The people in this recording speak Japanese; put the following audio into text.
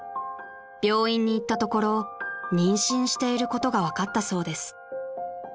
［病院に行ったところ妊娠していることが分かったそうです］